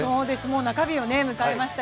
もう中日を迎えました